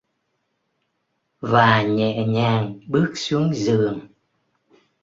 Và nhẹ nhàng bước xuống giường